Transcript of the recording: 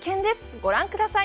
ご覧ください。